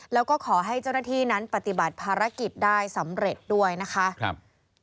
แล้วก็ขอให้เจ้าหน้าที่นั้นปฏิบัติภารกิจได้สำเร็จด้วยนะคะครับ